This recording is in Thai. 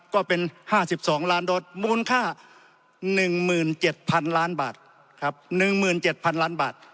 ก็เป็น๕๒ล้านโดสมูลค่า๑๗๐๐๐ล้านบาท